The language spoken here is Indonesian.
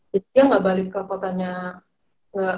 jadi dia gak balik ke kotanya